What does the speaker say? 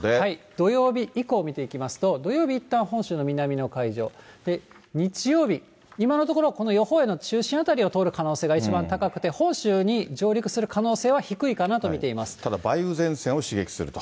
土曜日以降、見ていきますと、土曜日、いったん本州の南の海上、日曜日、今のところ、この予報円の中心辺りを通る可能性が一番高くて、本州に上陸するただ、梅雨前線を刺激すると。